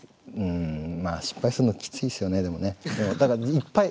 失敗するのきついですよねでもね。